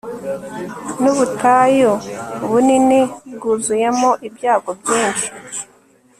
Nubutayu bunini bwuzuyemo ibyago byinshi